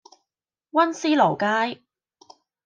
溫思勞街